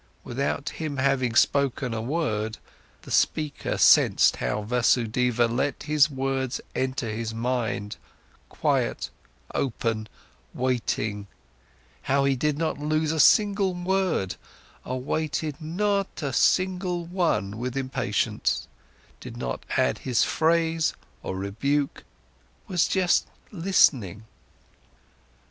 Without him having spoken a word, the speaker sensed how Vasudeva let his words enter his mind, quiet, open, waiting, how he did not lose a single one, awaited not a single one with impatience, did not add his praise or rebuke, was just listening.